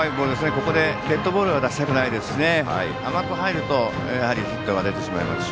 ここでデッドボールは出したくないですし甘く入るとヒットが出てしまいますし。